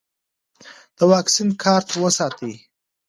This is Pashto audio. د واکسین کارت وساتئ.